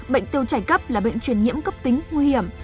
bệnh tiêu chảy cấp là bệnh truyền nhiễm cấp tính nguy hiểm